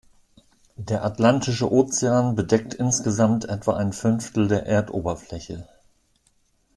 Der Atlantische Ozean bedeckt insgesamt etwa ein Fünftel der Erdoberfläche.